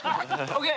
ＯＫ。